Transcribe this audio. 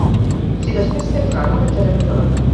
Si després tens gana, menjarem un gelat.